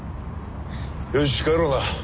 よし帰ろうな。